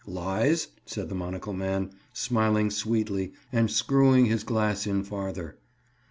"Lies?" said the monocle man, smiling sweetly and screwing his glass in farther.